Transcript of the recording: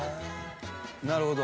なるほど。